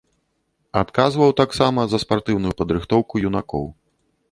Адказваў таксама за спартыўную падрыхтоўку юнакоў.